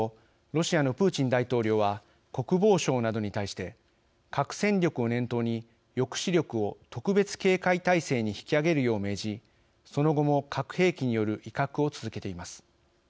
ロシアのプーチン大統領は国防相などに対して核戦力を念頭に抑止力を「特別警戒態勢」に引き上げるよう命じその後も核兵器による威嚇を続けています。